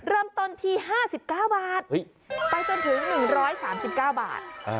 เริ่มต้นที่๕๙บาทไปจนถึง๑๓๙บาท